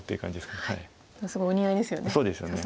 すごいお似合いですよね